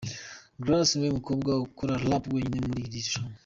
Grace niwe mukobwa ukora rap wenyine muri iri rushanwa.